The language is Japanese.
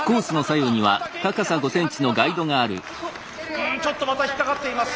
うんちょっとまた引っ掛かっています。